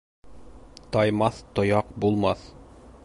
Таймаҫ тояҡ булмаҫ.